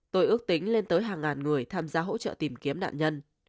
tôi ước tính lên tới hàng ngàn người tham gia hỗ trợ tìm kiếm nạn nhân